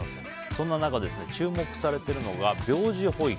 そんな中、注目されているのが病児保育。